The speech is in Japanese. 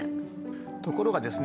ところがですね